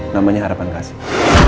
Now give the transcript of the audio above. namanya harapan kasih